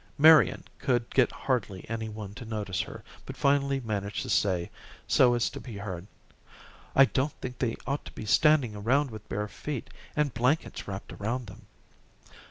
Marian could get hardly any one to notice her, but finally managed to say so as to be heard: "I don't think they ought to be standing around with bare feet, and blankets wrapped around them."